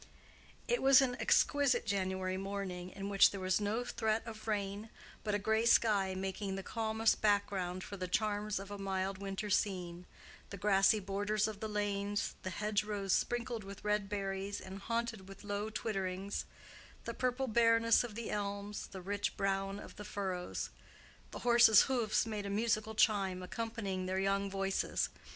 It was an exquisite January morning in which there was no threat of rain, but a gray sky making the calmest background for the charms of a mild winter scene—the grassy borders of the lanes, the hedgerows sprinkled with red berries and haunted with low twitterings, the purple bareness of the elms, the rich brown of the furrows. The horses' hoofs made a musical chime, accompanying their young voices.